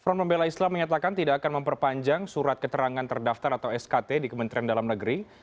front pembela islam menyatakan tidak akan memperpanjang surat keterangan terdaftar atau skt di kementerian dalam negeri